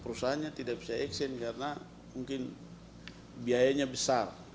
perusahaannya tidak bisa action karena mungkin biayanya besar